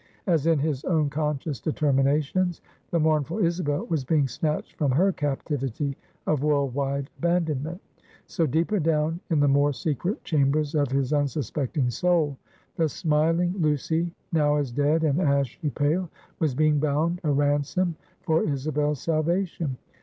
As in his own conscious determinations, the mournful Isabel was being snatched from her captivity of world wide abandonment; so, deeper down in the more secret chambers of his unsuspecting soul, the smiling Lucy, now as dead and ashy pale, was being bound a ransom for Isabel's salvation.